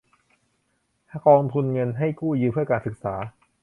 กองทุนเงินให้กู้ยืมเพื่อการศึกษา